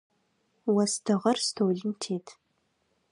Остыгъэр столым тет.